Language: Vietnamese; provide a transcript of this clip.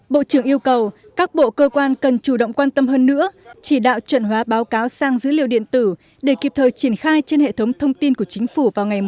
bộ trưởng yêu cầu các bộ cơ quan cần chủ động quan tâm hơn nữa chỉ đạo chuẩn hóa báo cáo sang dữ liệu điện tử để kịp thời triển khai trên hệ thống thông tin của chính phủ vào ngày một mươi